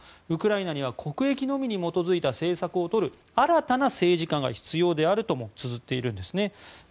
ウクライナには国益のみに基づいた政策を取る新たな政治家が必要であるともつづっているんですね。